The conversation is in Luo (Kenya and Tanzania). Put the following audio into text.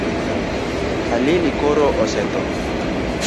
Halili koro osetho.